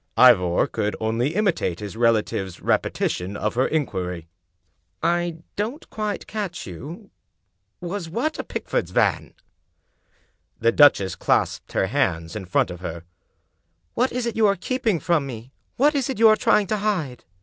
Ivor could only imitate his relative's repetition of her inquiry. 292 The Lost Duchess " I don't quite catch you — ^was what a Pickford's van?" The duchess clasped her hands in front of her. "What is it you are keeping from me? What is it you are trying to hide?